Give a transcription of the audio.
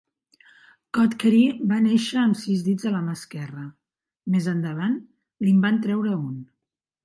Cotchery va néixer amb sis dits a la mà esquerra; més endavant li'n van treure un.